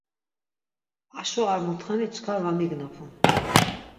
Aşo ar mutxani çkar va mignapun.